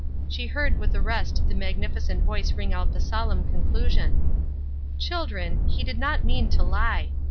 She heard with the rest the magnificent voice ring out the solemn conclusion: "Children, he did not mean to lie.